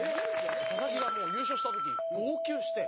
佐々木がもう優勝した時号泣して。